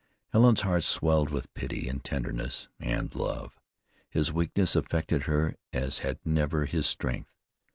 Helen's heart swelled with pity, and tenderness, and love. His weakness affected her as had never his strength.